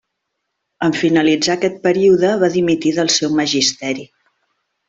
En finalitzar aquest període va dimitir del seu magisteri.